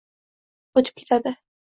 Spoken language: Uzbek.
O’tib ketadi.